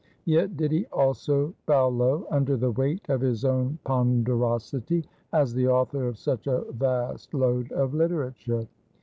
Yet did he also bow low under the weight of his own ponderosity, as the author of such a vast load of literature.